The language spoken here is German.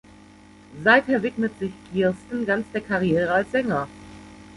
Seither widmet sich Kirsten ganz der Karriere als Sänger.